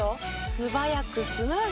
素早くスムーズ。